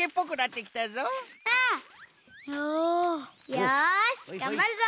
よしがんばるぞ！